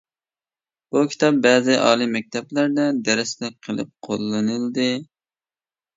بۇ كىتاب بەزى ئالىي مەكتەپلەردە دەرسلىك قىلىپ قوللىنىلدى.